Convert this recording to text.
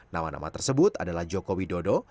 nama nama tersebut adalah joko widodo